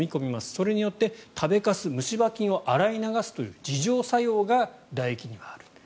それによって食べかす、虫歯菌を洗い流すという自浄作用がだ液にはあると。